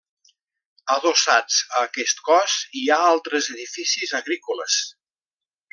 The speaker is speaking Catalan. Adossats a aquest cos hi ha altres edificis agrícoles.